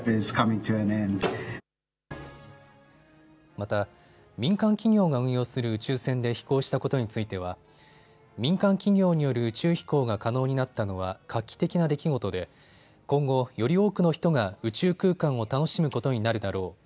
また、民間企業が運用する宇宙船で飛行したことについては民間企業による宇宙飛行が可能になったのは画期的な出来事で今後、より多くの人が宇宙空間を楽しむことになるだろう。